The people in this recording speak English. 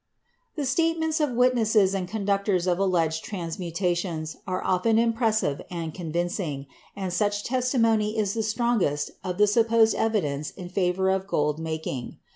The statements of witnesses and conductors of alleged transmutations are often impressive and convincing, and such testimony is the strongest of the supposed evidence in favor of gold making.